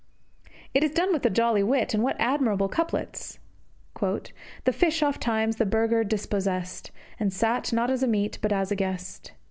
It is done with a jolly wit, and in what admirable couplets! The fish oft times the burgher dispossessed, And sat, not as a meat, but as a guest.